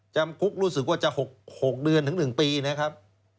จำคุกรู้สึกว่าจะ๖เดือนถึง๑ปีนะครับ